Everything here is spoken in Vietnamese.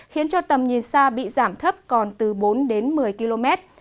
khiến cho tầm nhìn xa bị giảm thấp còn từ bốn đến một mươi km